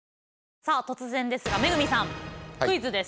さあ突然ですが恵さんクイズです。